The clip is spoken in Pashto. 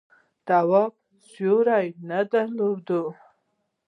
تواب سیوری نه درلود.